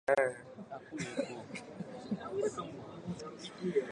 Majike hawana mabawa lakini wana miguu kinyume na wadudu-gamba wengine.